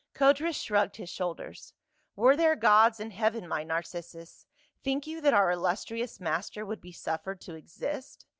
Codrus shrugged his shoulders. " Were there gods in heaven, my Narcissus, think you that our illustrious master would be suffered to exist